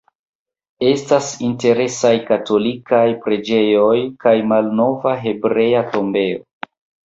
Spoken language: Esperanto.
Estas interesaj katolikaj preĝejoj kaj malnova Hebrea tombejo.